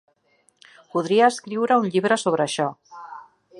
Podria escriure un llibre sobre això.